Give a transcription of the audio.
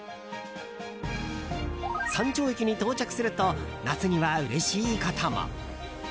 山頂駅に到着すると夏には、うれしいことも。